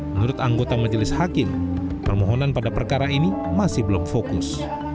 menurut anggota majelis hakim permohonan pada perkara ini masih belum fokus